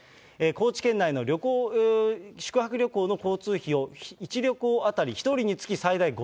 高知県内の宿泊旅行の交通費を、１旅行当たり１人につき最大５０００円